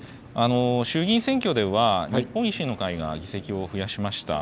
衆議院選挙では、日本維新の会が議席を増やしました。